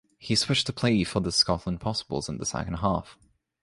He switched to play for the Scotland Possibles in the second half.